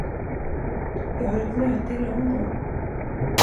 Jag har ett möte i London.